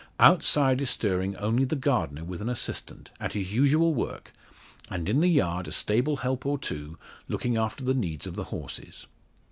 Outside is stirring only the gardener with an assistant, at his usual work, and in the yard a stable help or two looking after the needs of the horses.